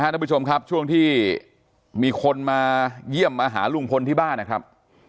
ท่านผู้ชมครับช่วงที่มีคนมาเยี่ยมมาหาลุงพลที่บ้านนะครับ